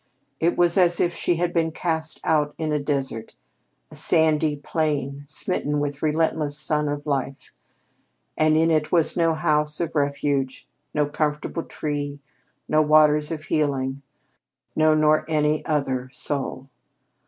It was as if she had been cast out into a desert a sandy plain smitten with the relentless Sun of Life, and in it was no house of refuge, no comfortable tree, no waters of healing. No, nor any other soul.